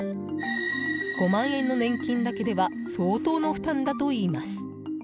５万円の年金だけでは相当の負担だといいます。